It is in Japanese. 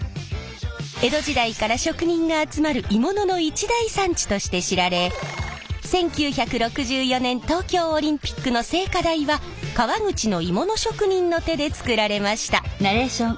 江戸時代から職人が集まる鋳物の一大産地として知られ１９６４年東京オリンピックの聖火台は川口の鋳物職人の手で作られました。